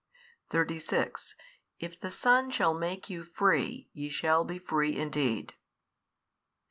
36 If the Son shall make you free ye shall be free indeed.